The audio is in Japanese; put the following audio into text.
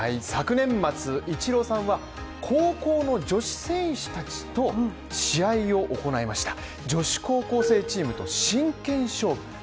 昨年末、イチローさんは、高校の女子選手たちと試合を行いました女子高校生チームと真剣勝負